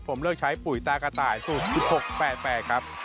ผมเลือกใช้ปุ๋ยตากระต่ายสูตร๑๖๘๘ครับ